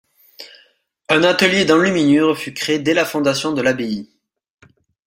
Un atelier d’enluminure fut créé dès la fondation de l'abbaye.